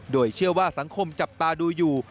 โดยเชื่อว่าสังคมจับตาดูอยู่